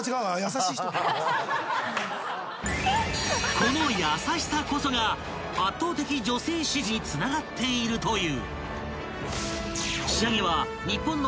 ［この優しさこそが圧倒的女性支持につながっているという］